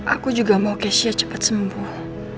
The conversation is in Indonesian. aku juga mau kesha cepat sembuh